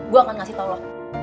gue akan kasih tau lo